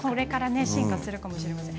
進化するかもしれません。